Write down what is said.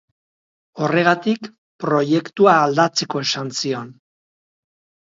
Horregatik, proiektua aldatzeko esan zion.